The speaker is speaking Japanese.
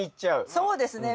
そうですね。